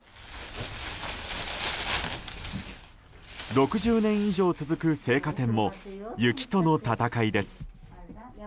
６０年以上続く青果店も雪との闘いです。